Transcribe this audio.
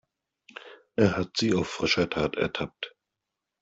Er hat sie auf frischer Tat ertappt.